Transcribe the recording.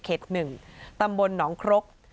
๑ตำบลหนองครก